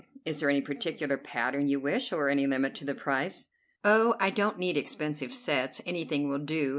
"Is there any particular pattern you wish, or any limit to the price?" "Oh, I don't need expensive sets; anything will do.